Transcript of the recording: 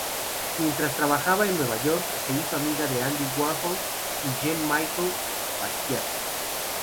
Mientras trabajaba en Nueva York, se hizo amiga de Andy Warhol y Jean-Michel Basquiat.